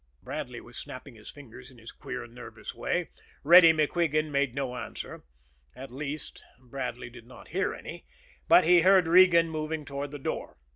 Bradley was snapping his fingers in his queer, nervous way. Reddy MacQuigan made no answer; at least, Bradley did not hear any, but he heard Regan moving toward the door.